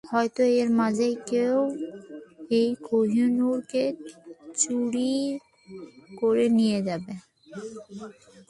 হয়তো এর মাঝেই কেউ এই কোহিনূর কে চুরি করে নিয়ে যাবে।